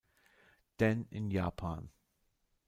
Dan in Japan.